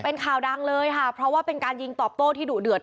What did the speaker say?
เป็นข่าวดังเลยค่ะเพราะว่าเป็นการยิงตอบโต้ที่ดุเดือด